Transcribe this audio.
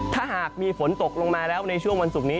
ถ้าหากมีฝนตกลงมาแล้วในช่วงวันศุกร์นี้